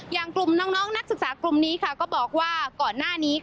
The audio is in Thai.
อย่างกลุ่มน้องนักศึกษากลุ่มนี้ค่ะก็บอกว่าก่อนหน้านี้